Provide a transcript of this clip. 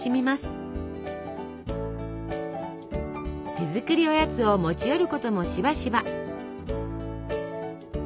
手作りおやつを持ち寄ることもしばしば。